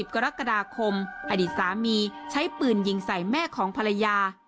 กรกฎาคมอดีตสามีใช้ปืนยิงใส่แม่ของภรรยา